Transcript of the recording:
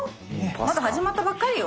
まだ始まったばっかりよ。